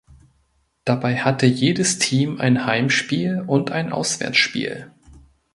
Dabei hatte jedes Team ein Heimspiel und ein Auswärtsspiel.